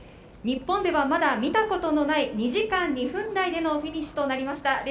日本ではまだ見たことのない２時間２分台でのフィニッシュとなりました。